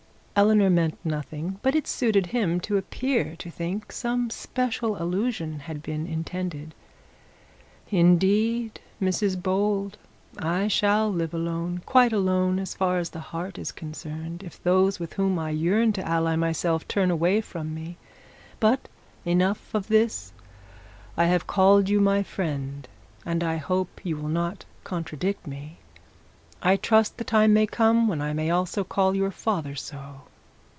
Eleanor meant nothing, but it suited him to appear that some special allusion had been intended. 'Indeed, Mrs Bold, I shall live alone, quite alone as far as the heart is concerned, if those with whom I yearn to ally myself turn away from me. But enough of this; I have called you my friend, and I hope you will not contradict me. I trust the time may come when I may also call your father so.